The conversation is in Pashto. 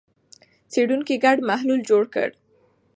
څېړونکو ګډ محلول جوړ کړ.